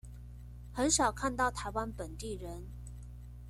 很少看到台灣本地人